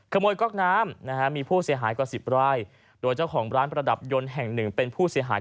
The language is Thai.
ก๊อกน้ำนะฮะมีผู้เสียหายกว่าสิบไร่โดยเจ้าของร้านประดับยนต์แห่งหนึ่งเป็นผู้เสียหาย